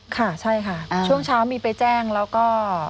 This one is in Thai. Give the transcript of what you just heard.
ค่ะใช่ค่ะช่วงเช้ามีไปแจ้งแล้วก็